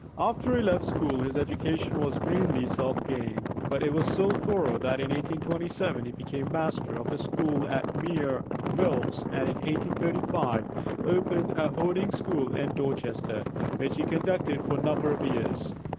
After he left school his education was mainly self gained; but it was so thorough that in 1827 he became master of a school at Mere, Wilts, and in 1835 opened a boarding school in Dorchester, which he conducted for a number of years.